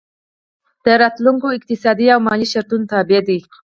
دا د راتلونکو اقتصادي او مالي شرایطو تابع دي.